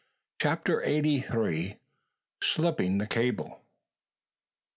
CHAPTER EIGHTY THREE. SLIPPING THE CABLE.